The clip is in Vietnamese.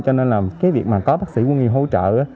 cho nên là cái việc mà có bác sĩ quân y hỗ trợ